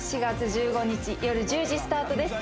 ４月１５日夜１０時スタートです